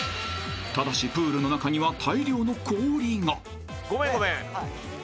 ［ただしプールの中には大量の］